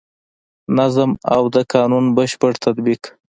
نظم او د قانون بشپړ تطبیق.